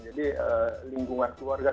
jadi lingkungan keluarga